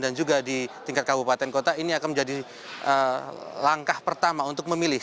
dan juga di tingkat kabupaten kota ini akan menjadi langkah pertama untuk memilih